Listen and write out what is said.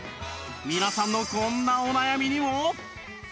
皆さんのこんなお悩みにも